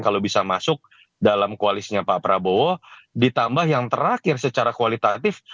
kalau bisa masuk dalam koalisinya pak prabowo ditambah yang terakhir secara kualitatif